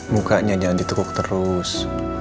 bukannya jangan ditukuk terus